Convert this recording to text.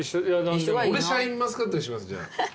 俺シャインマスカットにしますじゃあ。